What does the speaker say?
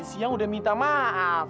ya tadi siang udah minta maaf